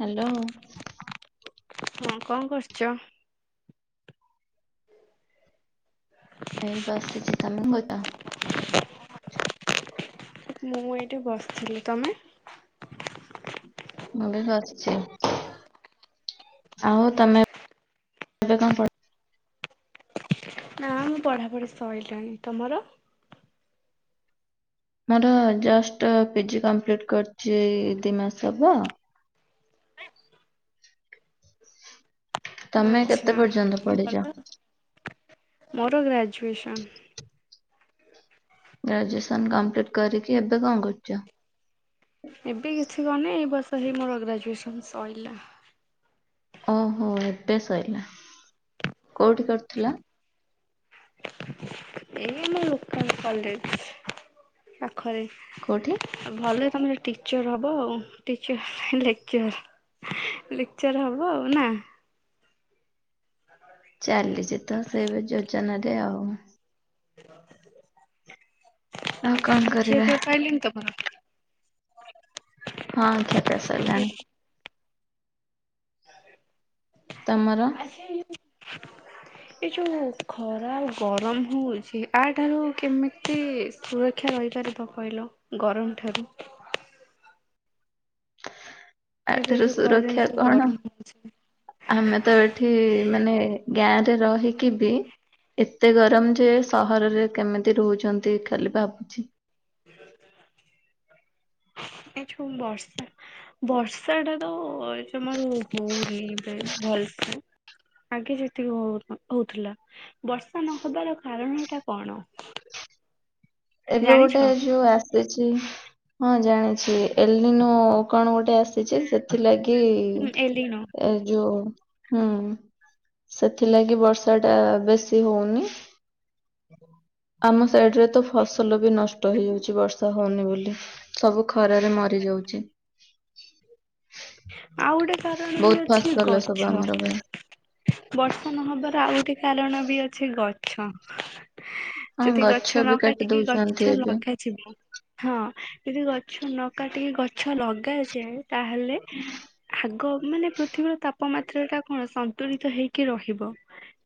Hello. ହଁ କଣ କରୁଛ? ଏଇ ବସିଛି ତମେ କଁ କଉଚ? ମୁଁ ଏଇଠି ବସିଥିଲି ତମେ? ମୁଁ ବି ବସିଛି ଆଉ ତମେ ଏବେ କଣ ପ ନା ମୁଁ ପଢାପଢି ସରିଲାଣି ତମର? ମୋର ଜଷ୍ଟ ପିଜି କମ୍ପ୍ଲିଟ କରିଛି ଦି ମାସ ହବ। ତମେ କେତେ ଆଚ୍ଛା ପର୍ଯ୍ୟନ୍ତ ପଢିଛ? ଭଲ ମୋର ଗ୍ରାଜୁଏସନ୍। ଗ୍ରାଜୁଏସନ କମ୍ପ୍ଲିଟ କରିକି ଏବେ କଣ କରୁଛ? ଏବେ କିଛି କରୁନି ଏ ବର୍ଷ ହେଇ ମୋର ଗ୍ରାଜୁଏସନ୍ ସଇଲା। ଓହୋ ଏବେ ସରିଲା କୋଉଠି କରୁଥିଲ? ଏଇଆମ ଲୋକାଲ କଲେଜ ପାଖରେ। କୋଉଠି? ଭଲ ତମେ ଟିଚର ହବ ଆଉ ଟିଚର ନହେଲେ ଲେକ୍ଚର। ଆ ଲେକ୍ଚର୍ ହେବ ଆଉ ନା। ଚାଲିଛି ତ ସେଇବେ ଯୋଜନା ରେ ଆଉ। ଖିଆ ପିଆ ଆଉ କଣ କରିବା ସାରିଲେଣି ତ? ହଁ। ହଁ ଖିଆ ପିଆ ସରିଲାଣି। ତମର? ଆସି ଏ ଯଉ ଖରା ଆଉ ଗରମ ହଉଛି ଆ ଠାରୁ କେମିତି ସୁରକ୍ଷା ରହିପାରିବ କହିଲ ଗରମ ଠାରୁ? ଆ ଏବେ ଠାରୁ ଯୋଉ ଖରାରେ ସୁରକ୍ଷା ଯୋଉ କଣ ଗରମ ହେଉଛି। ଆମେ ତ ଏଠି ମାନେ ଗାଁରେ ରହିକି ବି ଏତେ ଗରମ ଯେ ସହରରେ କେମିତି ରହୁଚନ୍ତି ଖାଲି ଭାବୁଛି। ଏ ଯୋଉ ବର୍ଷା ବର୍ଷା ଟା ତ ଏ ଜମାରୁ ହଉନି ପ୍ରାୟ ଭଲସେ। ଆଗେ ଯେତିକି ହ ହଉଥିଲା ବର୍ଷା ନହବାର କାରଣ ଟା କଣ? ଏବେ ଗୋଟେ ଜାଣିଛ? ଯୋଉ ଆସ୍ ସିଛି ହଁ ଜାଣିଛି ଏଲନିନୋ କଣ ଗୋଟେ ଆସିଛି ସେ ସେଥିଲାଗି ହୁଁ ଏଲିନ ଏ ଯୋଉ ହୁଁ ସେଥିଲାଗି ବର୍ଷା ଟା ବେଶୀ ହଉନି। ଆମ ସାଇଡ ରେ ତ ଫସଲ ବି ନଷ୍ଟ ହେଇଯାଉଚି ବର୍ଷା ହଉନି ବୋଲି। ସବୁ ଖରାରେ ମରିଯାଉଚି। ଆଉ ଗୋଟେ କାରଣ ବି ବହୁତ ଅଛି ଫସଲ ସବୁ ଗଛ ଆମର ହୁଏ। ବର୍ଷା ନହବାର ଆଉ ଗୋଟେ କାରଣ ବି ଅଛି ଗଛ। ହଁ ଯଦି ଗଛ ବି ନ କାଟି କାଟିକି ଦଉଛନ୍ତି ଗଛ ଏବେ ଲଗା ଛି ମୁଁ ହଁ ଯଦି ଗଛ ନ କାଟିକି ଗଛ ଲଗାଯାଏ ତାହେଲେ ଆଗ ମାନେ ପୃଥିବୀର ତାପମାତ୍ରା ଟା କଣ ସନ୍ତୁଳିତ ତ ହେଇକି ରହିବ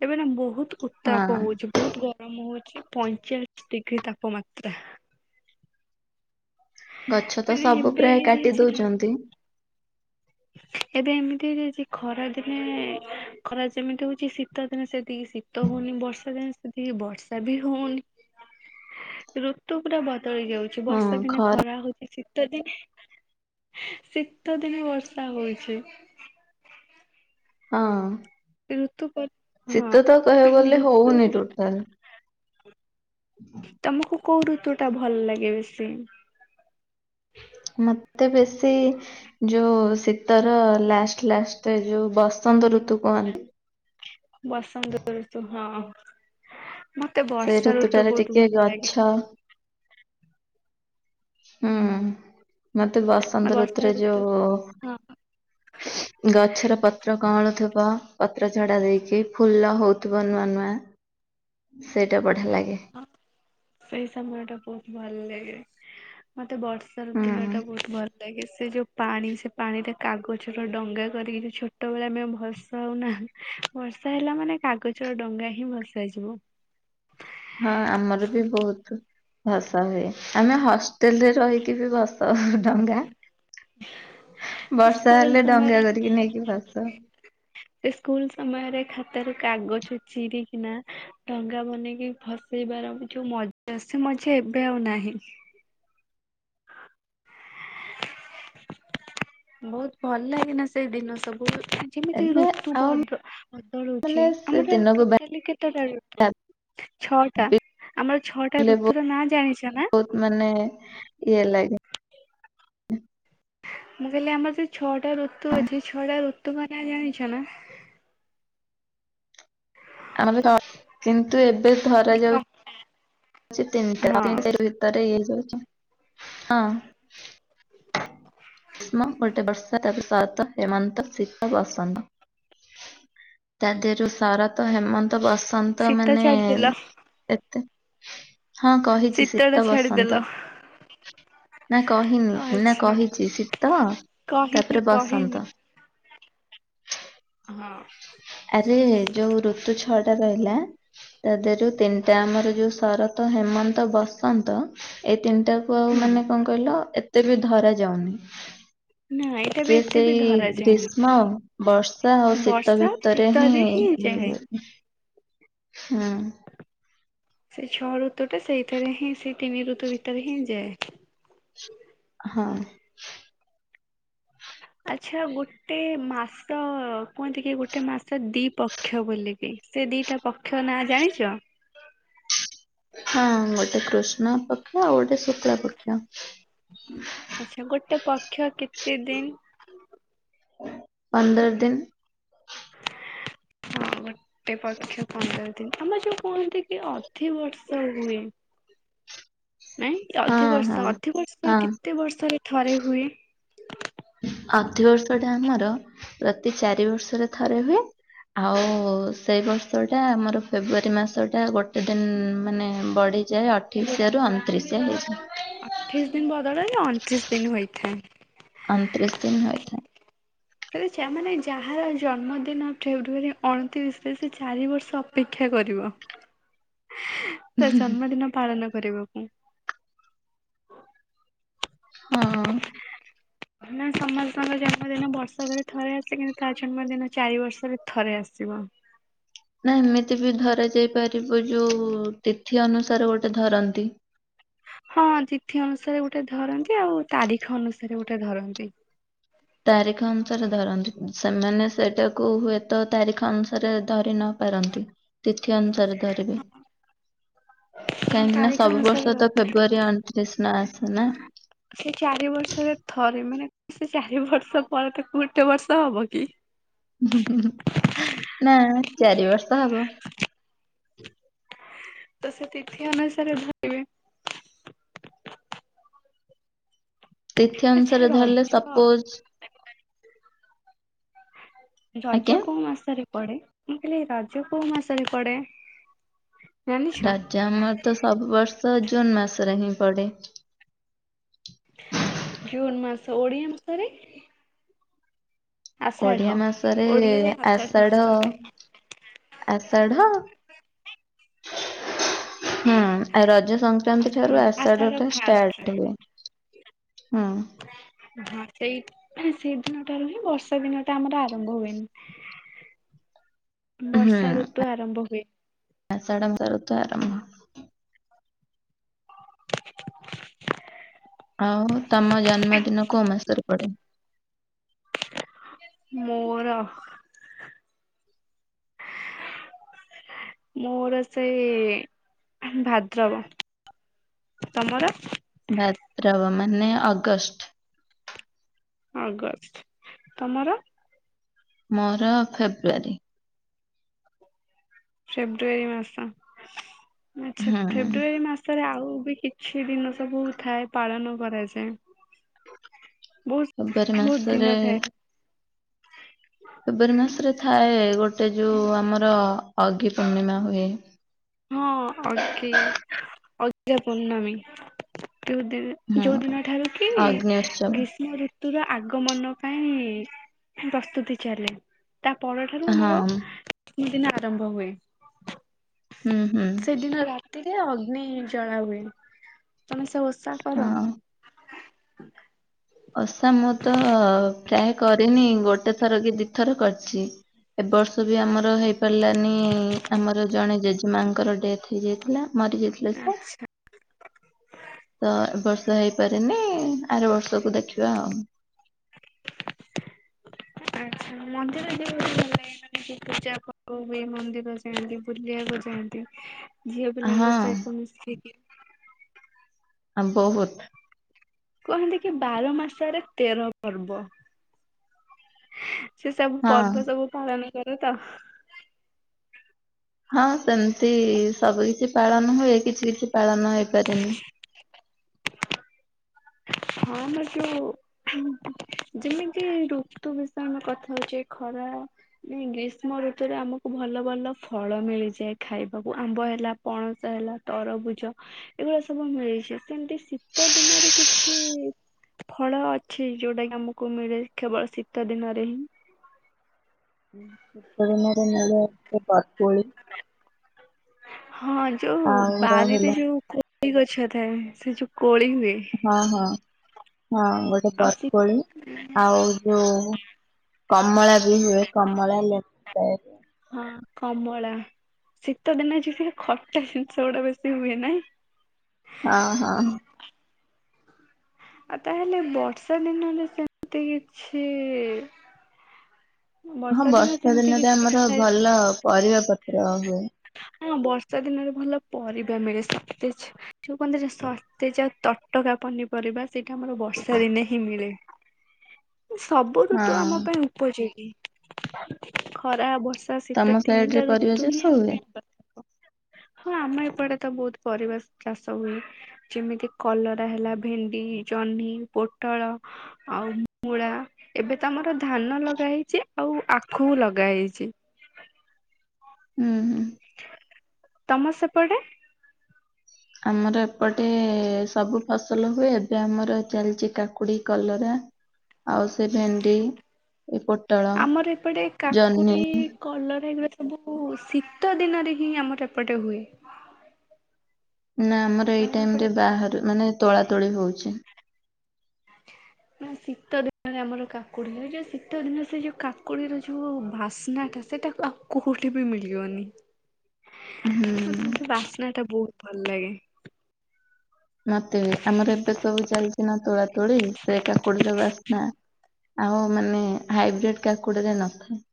ଏବେ ନା ବହୁତ ଉତ୍ତାପ ହଁ। ହଉଚି। ବହୁତ ଗରମ ହଉଚି ପଇଁଚାଳିଶ ଡିଗ୍ରୀ ତାପମାତ୍ରା। ଗଛ ତ ମାନେ ସବୁ ଏବେ ପ୍ରାୟ କାଟି ହେଇଯାଇଛି ନା ଦଉଚନ୍ତି। ଏବେ ଏମିତି ହେଇଯାଇଚି ଖରା ଦିନେ ଖରା ଯେମିତି ହଉଚି ଶୀତ୍ ଶୀତ ଦିନେ ସେତିକି ଶୀତ ହଉନି ବର୍ଷା ଦିନେ ସେତ ତିକି ବର୍ଷା ବି ହଉନି ଋତୁ ପୁରା ବ ବଦଳି ଯାଉଛି ବର୍ଷା ଦିନେ ଖରା ହଉଛି ଶୀତ ଦିନେ ଆ ଶୀତ ଦିନେ ବର୍ଷା ବର୍ଷା ହଉଚି। ହଁ। ଋତୁ ପ ଶୀତ ତ କହିବାକୁ ଗଲେ ହଉନି ଟୋଟାଲ। ତମକୁ କୋଉ ଋତୁ ଟା ଭଲ ଲାଗେ ବେଶୀ? ମତେ ବେଶୀ ଯୋଉ ଶୀତର ଲାଷ୍ଟ ଲାଷ୍ଟରେ ଯୋଉ ବସନ୍ତ ଋତୁ କହନ୍ତି। ବସନ୍ତ ଋତୁ ହଁ ମତେ ସେଇ ବର୍ଷା ଋତୁ ଋତୁଟାରେ ବହୁତ ଟିକେ ଭଲ ଗଛ ଲାଗେ। ହୁଁ ମତେ ବସନ୍ତ ବର୍ଷା ଋତୁରେ ଋତୁ ଯୋଉ ହଁ ଗଛର ପତ୍ର କଅଁଳୁଥିବ ପତ୍ର ଝଡା ଦେଇକି ଫୁଲ ହଉଥିବ ନୂଆ ନୂଆ ସେଇଟା ବଢିଆ ଲାଗେ। ହଁ ସେଇ ସମୟ ଟା ବହୁତ ଭଲ ଲାଗେ ମତେ ବର୍ଷାର ଦିନ ହୁଁ। ଟା ବହୁତ ଭଲ ଯୋଉଟା କି ସେ ଯୋଉ ପାଣି ସେ ପାଣିରେ କାଗଜର ଡଙ୍ଗା କରିକି ଯୋଉ ଛୋଟବେଳେ ଆମେ ଭସାଉନା। ବର୍ଷା ହେଲା ମାନେ କାଗଜର ଡଙ୍ଗା ହିଁ ଭସା ଯିବ। ହଁ ଆମର ବି ବହୁତ। ଭସା ହୁଏ ଆମେ ହଷ୍ଟେଲରେ ରହିକି ବି ଭସାଉ ଡଙ୍ଗା। ସେ ବର୍ଷା ସ୍କୁଲ ହେଲେ ଡଙ୍ଗା ସମୟରେ କରିକି ନେଇକି ଭସଉ। ସେ ସ୍କୁଲ ସମୟରେ ଖାତାରୁ କାଗଜ ଚିରିିକିନା ଡଙ୍ଗା ବନେଇ କି ଭସେଇବାର ବି ଯୋଉ ମଜା ସେ ମଜା ଏବେ ଆଉ ନାହିଁ। ବହୁତ ଭଲ ଲାଗେନା ସେଇ ଦିନ ସବୁ। ଯେମିତି ଏବେ ଋତୁ ଆଉ ବଦ ମାନେ ବଦଳୁଛି ସେ ଆମର ଦିନକୁ ଟୋଟାଲି କେତେଟା ଋତୁ? ଛଅଟା ଭାବିଲେ ଆମର ଛଅଟା ଋତୁ ର ନା ଜାଣିଛ ନା? ବହୁତ ମାନେ ଇଏ ଲାଗେ। ମୁଁ କହିଲି ଆମର ସେ ଛଅଟା ଋତୁ ହଁ ଅଛି ଛଅଟା ଋତୁଙ୍କ ନାଁ ଜାଣିଛ ନା? ଆମ ତ କିନ୍ତୁ ଏବେ ଧରା କ ଯାଉ ତିନିଟା ହଁ ତିନି ଭିତରେ ହେଇଯାଉଛି ହଁ। ମୋ ପଟେ ବର୍ଷ ତାପରେ ଶରତ ହେମନ୍ତ ଶୀତ ବସନ୍ତ ତା ଦେହରୁ ଶରତ ହେମନ୍ତ ବସ ନ୍ତ ଶୀତ ମାନେ ଛାଡିଦେଲ ଏତେ ହଁ କହିଚି ଟା ଶୀତ ଛାଡିଦେଲ। ବସନ୍ତ। ନା କହିନି ନା ଆଚ୍ଛା କହିଛି ଶୀତ କହିନ ତାପରେ କହିନ ବସନ୍ତ। ହଁ। ଆରେ ଯୋଉ ଋତୁ ଛଅଟା ରହିଲା ତା ଦେହରୁ ତିନିଟା ଆମର ଯୋଉ ଶର ତ ହେମନ୍ତ ବସନ୍ତ ଏଇ ତିନିଟାକୁ ଆଉ ହୁଁ। ମାନେ କଣ କଣ କହିଲ ଏତେ ବି ଧରା ଯାଉନି। ନା ଏଇଟା ବି ସିଏ ଏତେ ବି ସେଇ ଧରାଯାଏନି ଗ୍ରୀଷ୍ମ ବର୍ଷା ଆଉ ଶୀତ ରେ ବର୍ଷା ଭିତରେ ହିଁ ଶୀତରେ ଇଏ ଯାଏ। ହୁଏ ହୁଁ। ସେ ଛଅ ଋତୁ ଟା ସେଇଥିରେ ହିଁ ସେ ତିନି ଋତୁ ଭିତରେ ହିଁ ଯାଏ। ହଁ। ଆଚ୍ଛା ଗୋଟେ ମାସ କୁହନ୍ତି କି ଗୋଟେ ମାସ ଦି ପ ପକ୍ଷ ବୋଲିକି ସେ ଦୁଇଟା ପକ୍ଷ ନାଁ ଜାଣିଚ? ହଁ ଗୋଟେ କୃଷ୍ଣପକ୍ଷ ଆଉ ଗୋଟେ ଶୁକ୍ଲପକ୍ଷ। ଆଚ୍ଛା ଗୋଟେ ପକ୍ଷ କେତେ ଦିନି? ପନ୍ଦର ଦିନି। ହଁ ଗୋଟେ ପକ୍ଷ ପନ୍ଦର ଆମର ଯୋଉ କୁହନ୍ତି କି ଅଧି ବର୍ଷ ହୁଏ? ନାଇଁ ହଁ ଅଧି ହଁ ବର୍ଷ ଅଧି ବର୍ଷ ହଁ କେତେ ବର୍ଷରେ ଥରେ ହୁଏ? ଅଧି ବର୍ଷ ଟା ଆମର ପ୍ରତି ଚାରି ବର୍ଷରେ ଥରେ ହୁଏ। ଆଉ ସେଇ ବର୍ଷଟା ଆମର ଫେବୃଆରୀ ମାସଟା ଗୋଟେ ଦିନ ମାନେ ବଢିଯାଏ ଗୋ ଅଠେଶିଆରୁ ଅଣତିରିଶି ହେଇଯାଏ। ଅଠେଇଶି ଦିନ ବଦଳ ନା ଅଣତିରିଶି ଦିନ ହୋଇଥାଏ। ଅଣତିରିଶି ଦିନ ହୋଇଥାଏ। ଯା ମାନେ ଯାହାର ଜନ୍ମଦିନ ଫେବୃଆରୀ ଅଣତିରିଶରେ ସେ ଚାରି ବର୍ଷ ଅପେକ୍ଷା କରିବ। ତା ଜନ୍ମଦିନ ପାଳନ କରିବାକୁ। ହଁ। ନା ସମସ୍ତଙ୍କ ଜନ୍ମଦିନ ବର୍ଷରେ ଥରେ ଆସେ କିନ୍ତୁ ତା ଜନ୍ମଦିନ ଚାରି ବର୍ଷରେ ଥରେ ଆସିବ। ନା ଏମିତି ବି ଧରାଯାଇ ପାରିବ ଯୋଉ ତିଥି ଅନୁସାରେ ଗୋଟେ ଧରନ୍ତି। ହଁ ତିଥି ଅନୁସାରେ ଗୋଟେ ଧରନ୍ତି ଆଉ ତାରିଖ ଅନୁସାରେ ଗୋଟେ ଧରନ୍ତି। ତାରିଖ ଅନୁସାରେ ଧରନ୍ତି ସେମାନେ ସେଟାକୁ ହୁଏତ ତାରିଖ ଅନୁସାରେ ଧରିନ ପାରନ୍ତି ତିଥି ଅନୁସାରେ ଧରିବେ। କାହିଁକି ନା ତାରିଖ ସବୁ ଅନୁସାରେ ବର୍ଷ ତ ଧରନ୍ତି। ଫେବୁଆରୀ ଅଣତିରିଶ ନ ଆସେ ନା ସେ ଚାରି ବର୍ଷରେ ଥରେ ମାନେ ସେ ଚାରି ବର୍ଷ ପରେ ତ ଗୋଟେ ବର୍ଷ ହବ କି? ନାଁ ଚାରି ବର୍ଷ ହବ। ତ ସେ ତିଥି ଅନୁସାରେ ଭୁ ତିଥି ଆଚ୍ଛା ଅନୁସାରେ ଧରିଲେ ରଜ ସପୋଜ୍ ରଜ ଆଜ୍ଞା କୋଉ ମାସରେ ପଡେ ମୁ କହିଲି ରଜ କୋଉ ମାସରେ ପଡେ? ଜାଣିଛ? ରଜ ଆମର ତ ସବୁ ବର୍ଷ ଜୁନ୍ ମାସରେ ହିଁ ପଡେ। ଜୁନ୍ ମାସ ଓଡ଼ିଆ ମାସରେ ଓଡ଼ିଆ ଆଷାଢ ମାସରେ ଓଡିଆରେ ଆଷାଢ ମାସରେ। ଆଷାଢ। ହୁଁ ଆଉ ରଜ ସଂକ୍ରାନ୍ତି ଆଷା ଠାରୁ ଆଷାଢ ଆଷାଢଟା ଷ୍ଟାର୍ଟ୍ ଫାଷ୍ଟରେ ହୁଏ, ହୁଁ। ହଁ ସେଇ ସେଇଦିନଠାରୁ ହିଁ ବର୍ଷା ଦିନ ଟା ଆମର ଆରମ୍ଭ ହୁଏନି ହୁଁ ବର୍ଷା ଋତୁ ଆରମ୍ଭ ହୁଏ। ଆଷାଢ [unintelligible] ଋତୁ ଆରମ୍ଭ। ଆଉ ତମ ଜନ୍ମଦିନ କୋଉ ମାସରେ ପଡେ? ମୋର ମୋର ସେଇଁ ଭାଦ୍ରବ ତମର? ଭାଦ୍ରବ ମାନେ ଅଗଷ୍ଟ୍ ଅଗଷ୍ଟ୍ ତମର? ମୋର ଫେବୃଆରୀ। ଫେବୃଆାରୀ ମାସ ଆଚ୍ଛା ହୁଁ ଫେବୃଆରୀ ମାସ ତେରେ ଆଉ ବି କିଛି ଦିନ ସବୁ ଥାଏ ପାଳନ କରାଯାଏ। ବୋହୁସ୍ ଫେବୃଆରୀ ବୋହୁତ୍ ମାସରେ ଦିନ ଥାଏ। ଫେବୁଆରୀ ମାସରେ ଥାଏ ଗୋଟେ ଯୋଉ ଆମର ଅଗିପୂର୍ଣ୍ଣିମା ହୁଏ। ହଁ ଅଗୀ ଅଗିରା ପୂର୍ଣ୍ଣମୀ ଯୋଉ ଦି ହୁଁ ଯୋଉଦିନ ଠାରୁ କି ଅଗ୍ନି ଉତ୍ସବ ଗୀଷ୍ମ ଋତ ତୁର ଆଗମନ ପାଇଁ ପସ୍ତୁତି ଚାଲେ। ତା ପରଠାରୁ ହଁ ଆମର ଦିନ ଆରମ୍ଭ ହୁଏ। ହୁଁ -ହୁଁ। ସେଦିନ ରାତିରେ ଅଗ୍ନି ଜଳା ହୁଏ। ତମେ ସେ ଓଷ୍ ହଁ। ଓଷା ମୁଁ ତ ପ୍ରାୟେ କରିନି ଗୋଟେ ଥର କି ଦି ଥର କରଚି। ଏ ବର୍ଷ ବି ଆମର ହେଇପାରିଲାନି ଆମର ଜଣେ ଜେଜେମାଙ୍କର ଡେଥ୍ ହେଇଯାଇଥିଲା। ମରି ଯାଇଥିଲେ ସେ ଆଚ୍ଛା ତ ଏ ବର୍ଷ ହେଇପାରିନି ଆର ବର୍ଷକୁ ଦେଖିବା ଆଉ। ଆଚ୍ଛା ମନ୍ଦିର ଯିବ [unintelligible] ତି ପୂଜାପର୍ବ ହୁଏ ମନ୍ଦିର ଯାଆନ୍ତି, ବୁଲିଆକୁ ଯାଆନ୍ତି। ଝିଅ ପିଲାଙ୍କ ହଁ ସହିତ ମିସି ଆଁ ବୋହୁତ୍ କୁହନ୍ତି କି ବାର ମାସରେ ତେର ପର୍ବ। ସେ ସବୁ ହଁ ପର୍ବ ସବୁ ପାଳନ କର ତ? ହଁ ସେମତି ସବୁ କିଛି ପାଳନ ହୁଏ, କିଛି କିଛି ପାଳନ ହେଇପାରେନି। ହଁ ମ ଯୋଉ ଯେମିତି ଋତୁ ବିଷୟ କଥା ହଉଚେ, ଖରା ନାଇଁ ଗ୍ରୀଷ୍ମ ଋତୁରେ ଆମକୁ ଭଲ ଭଲ ଫଳ ମିଳିଯାଏ ଖାଇବାକୁ, ଆମ୍ବ ହେଲା ପଣସ ହେଲା, ତରଭୁଜ, ଏଗୁରା ସବୁ ମିଳିଛି, ସେମିତି ଶୀତ ଦିନରେ କି କିଛି ଫଳ ଅଛି ଯୋଉଟା କି ଆମକୁ ମିଳେ କେବଳ ଶୀତ ଦିନରେ ହିଁ। [unintelligible] ଶୀତ ଦିନରେ ମିଳେ [unintelligible] ବରକୋଳି ହଁ ଯୋଉ ଆଉ ର ବାରିରେ ହେଲା ଯୋଉ କୋ କୋଳି ଗଛ ଥାଏ, ସେ ଯୋଉ କୋଳି ହୁଏ ଅହ ହଁ, ଗୋଟେ ଆଉ ଶୀ ବରକୋଳି ଆଉ ଯୋଉ, କମଳା ବି ହୁଏ, କମଳା ଲେମ୍ବୁ ବାଇରେ ହଁ କମଳା, ଶୀତ ଦିନେ ଯଉ ସେ ଖଟା ଜିନିଷ ଗୁଡା ବେଶୀ ହୁଏ ନାହିଁ? ଅ ହ। ଆଉ ତାହେଲେ ବର୍ଷା ଦିନରେ ସେମତି କିଛି ହଁ ବର୍ଷା ସେମିତି ଦିନରେ କିଛି ଆମର ଥାଏ ଭଲ ପରିବା ପତ୍ର ହୁଏ। ହଁ ବର୍ଷା ଦିନରେ ଭଲ ପରିବା ମିଳେ, ସତେଜ ଯଉ କହନ୍ତି ଯେ, ସତେଜ ଆଉ ତଟକା ପନିପରିବା, ସେଇଟା ଆମର ବର୍ଷା ଦିନେ ହିଁ ମିଳେ। [inaudible] ସବୁ ଋତୁ ହଁ ଆମ ପାଇଁ ଉପଯୋଗୀ ଖରା, ବର୍ଷା ତମ ଶୀତ ସାଇଡ ତିନିଟା ରେ ପରିବା ଋତୁ ହିଁ ଚାଷ ଆମ ହୁଏ? ପାଇଁ ଆବତ୍ୟକ। ହଁ ଆମ ଏପଟେ ତ ବହୁତ ପରିବା ସ ଚାଷ ହୁଏ। ଯେମିତି କଲରା ହେଲା, ଭେଣ୍ଡି, ଜହ୍ନି, ପୋଟଳ ଆଉ ମୁଳା, ଏବେ ତ ଆମର ଧାନ ଲଗା ହେଇଚି, ଆଉ ଆଖୁ ଲଗା ହେଇଚି। ଉଁ ହୁଁ। ତମ ସେପଟେ ଆମର ଏପଟେ ସବୁ ଫସଲ ହୁଏ, ଏବେ ଆମର ଚାଲିଚି କାକୁଡ଼ି, କଲରା ଆଉ ସେ ଭେଣ୍ଡି, ଏ ପୋଟଳ, ଆମର ଏପଟେ ଜହ୍ନି କାକୁଡି କଲରା ଏଗୁଡା ସବୁ ଶୀତ ଦିନରେ ହିଁ ଆମର ଏପଟେ ହୁଏ। ନା ଆମର ଏଇ ଆମ ଟାଇମ ଏପଟେ ରେ ବାହାରୁ, ମାନେ ତୋଳା ତୋଳି ହଉଚି। [inaudible] ନା ଶୀତ ଦିନରେ ଆମର କାକୁଡ଼ି ହୁଏ, ଯେଉ ଶୀତ ଦିନ ସେ ଯଉ କାକୁଡ଼ିର ଯଉ ବାସ୍ନାଟା, ସେଇଟା ଆଉ କୋଉଠି ବି ମିଳିବନି। [inaudible] ହୁଁ। ମତ ସେ ବାସ୍ନା ଟା ବହୁତ ଭଲ ଲାଗେ। ମତେ ବି, ଆମର ଏବେ ସବୁ ଚାଲିଚି ନା ତୋଳା ତୋଳି, ସେ କାକୁଡିର ବାସ୍ନା ଆଉ ମାନେ ହାଇବ୍ରେଡ କାକୁଡ଼ି ରେ ନଥାଏ।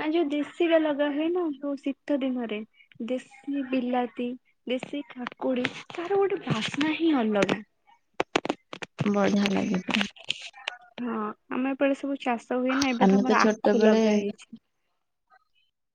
ନା ଯୋଉ ଦେଶୀର ଲଗା ହୁଏ ନା, ଯୋଉ ଶୀତ ଦିନରେ। ଦେଶୀ ବିଲାତି, ଦେଶୀ କାକୁଡି, ତାର ଗୋଟେ ବାସ୍ନା ହିଁ ଅଲଗା। ବଢିଆ ଲାଗେ ପୁରା। ହଁ, ଆମେ ଏପଟେ ସବୁ ଚାଷ ହୁଏ ନା, ଏବେ ତ ଆମେ ଆମର ଆଖୁ ଛୋଟବେଳେ ଲଗା ହେଇଚି।